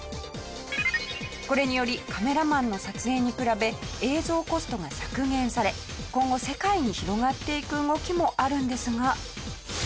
これによりカメラマンの撮影に比べ映像コストが削減され今後世界に広がっていく動きもあるんですが。